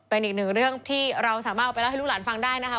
เป็นอีกหนึ่งเรื่องที่เราสามารถเอาไปเล่าให้ลูกหลานฟังได้นะคะ